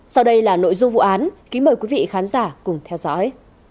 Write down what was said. sau đây là nội dung vụ án kính mời quý vị khán giả cùng theo dõi